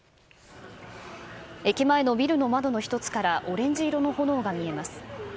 駅前のビルの窓の一つからオレンジ色の炎が見えます。